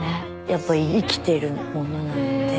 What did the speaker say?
やっぱ生きてるものなので。